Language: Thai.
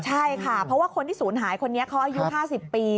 ใช่ค่ะเพราะว่าคนที่ศูนย์หายคนนี้เขาอายุ๕๐ปี